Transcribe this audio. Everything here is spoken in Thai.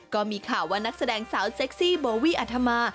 ก็มีข่าวว่านักแสดงสาวเซ็กซี่โบวี่อัธมา